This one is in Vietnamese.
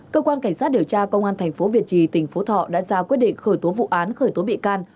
cơ quan cảnh sát điều tra công an thành phố việt trì tỉnh phố thọ đã ra quyết định khởi tố vụ án khởi tố bị can